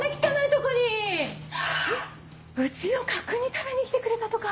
うちの角煮食べに来てくれたとか？